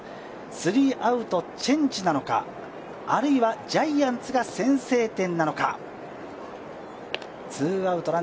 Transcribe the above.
スリーアウトチェンジなのか、あるいはジャイアンツが先制点なのか。